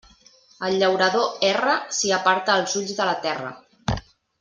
El llaurador erra si aparta els ulls de la terra.